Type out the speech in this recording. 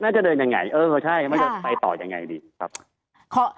จะเดินยังไงเออใช่มันจะไปต่อยังไงดีครับ